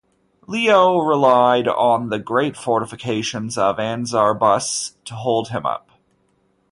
Leo relied on the great fortifications of Anazarbus to hold him up.